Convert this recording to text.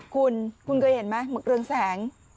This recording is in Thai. คุณคุณเคยเห็นไหมหมึกเรืองแสง